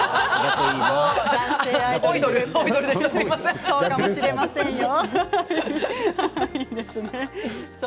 笑い声そうかもしれませんよ。